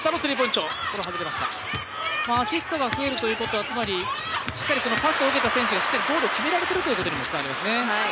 アシストが増えるということはしっかりパスを受けた選手がしっかりゴールを決められているということにつながりますね。